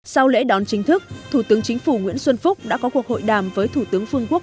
sau lễ đón chính thức thủ tướng chính phủ nguyễn xuân phúc đã có cuộc hội đàm với thủ tướng phương quốc